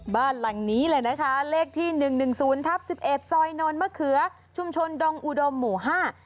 บ้านหลังนี้เลยนะคะเลขที่หนึ่งหนึ่งศูนย์ทับสิบเอ็ดซอยโนนมะเขือชุมชนดงอุดมหมู่ห้า